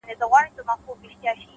زه هم دعاوي هر ماښام كومه،